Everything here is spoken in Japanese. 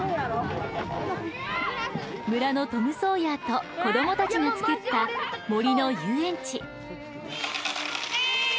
村のトム・ソーヤーと子どもたちが作った森のゆうえんち。